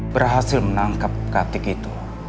berhasil menangkap katik itu